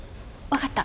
わかった。